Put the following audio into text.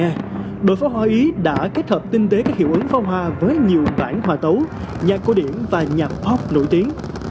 tiếp theo là màn trình diễn của ý đội phá hoa ý đã kết hợp tinh tế các hiệu ứng phá hoa với nhiều bản hòa tấu nhạc cô điển và nhạc pop nổi tiếng